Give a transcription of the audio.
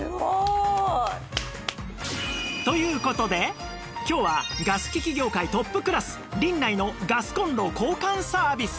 という事で今日はガス機器業界トップクラスリンナイのガスコンロ交換サービス！